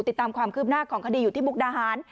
ติดตามความคืบหน้าของคดีอยู่ที่มุกดาหาร